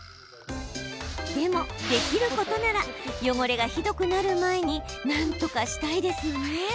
でも、できることなら汚れがひどくなる前になんとかしたいですよね。